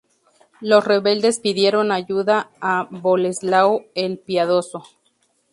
Los rebeldes pidieron ayuda a Boleslao el Piadoso.